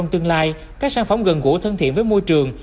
từ nay các sản phẩm gần gũ thân thiện với môi trường